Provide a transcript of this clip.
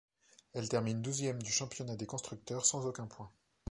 Elle termine douzième du championnat des constructeurs, sans aucun point.